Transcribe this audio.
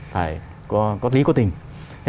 phải có lý có tình